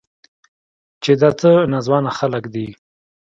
چې دا څه ناځوانه خلق دي.